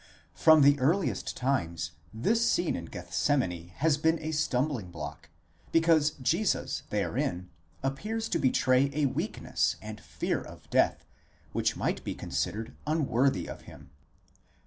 From the earliest times this scene in Gethsemane has been a stumbling block, because Jesus therein appears to betray a weakness and fear of death which might be considered unworthy of him.